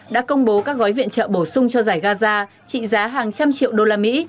đã công bố các gói viện trợ bổ sung cho giải gaza trị giá hàng trăm triệu đô la mỹ